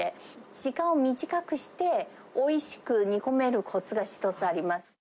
時間を短くして、おいしく煮込めるこつが一つあります。